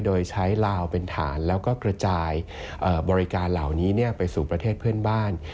โดยใช้ลาวเป็นฐานแล้วก็กระจายบริการเหล่านี้ไปสู่ประเทศเพื่อนบ้าน